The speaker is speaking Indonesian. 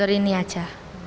jalur ini aja